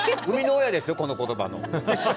生みの親ですよ、この言葉の。